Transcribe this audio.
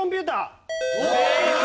正解！